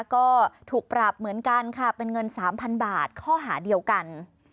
ก็ถูกปรับเหมือนกันค่ะเป็นเงิน๓๐๐บาทข้อหาเดียวกัน